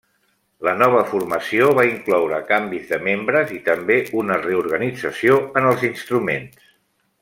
La nova formació va incloure canvis de membres i també una reorganització en els instruments.